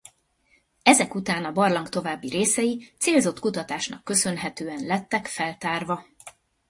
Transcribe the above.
Ezek után a barlang további részei célzott kutatásnak köszönhetően lettek feltárva.